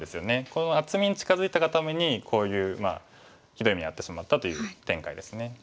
この厚みに近づいたがためにこういうひどい目に遭ってしまったという展開ですね。